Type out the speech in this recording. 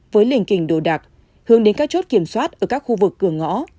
với lền kình đồ đạc hướng đến các chốt kiểm soát ở các khu vực cửa ngõ